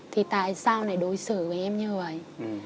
thì tại sao lại đối xử với em như vậy